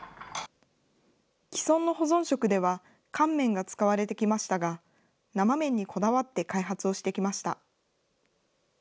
既存の保存食では、乾麺が使われてきましたが、生麺にこだわって開発をしてきました。